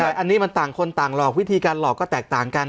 แต่อันนี้มันต่างคนต่างหลอกวิธีการหลอกก็แตกต่างกัน